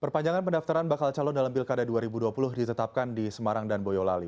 perpanjangan pendaftaran bakal calon dalam pilkada dua ribu dua puluh ditetapkan di semarang dan boyolali